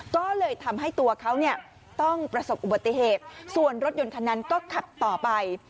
ก็เลยทำให้ตัวเขาเนี่ยต้องประสบอุบัติเหตุส่วนรถยนต์คันนั้นก็ขับต่อไป